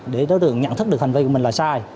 để đối tượng nhận thức được hành vi của mình là sai